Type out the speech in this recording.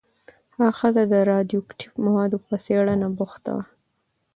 هغه ښځه د راډیواکټیف موادو په څېړنه بوخته وه.